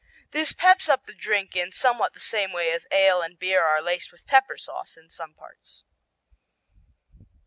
This peps up the drinks in somewhat the same way as ale and beer are laced with pepper sauce in some parts.